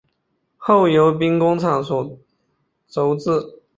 后由兵工厂所铸制。